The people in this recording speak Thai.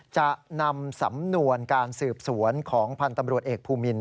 จะนำสำนวนการสืบสวนของพันธ์ตำรวจเอกภูมิน